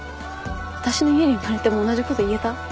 私の家に生まれても同じこと言えた？